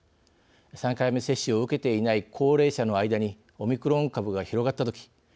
３回目接種を受けていない高齢者の間にオミクロン株が広がったとき